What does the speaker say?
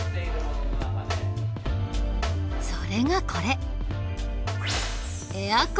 それがこれ。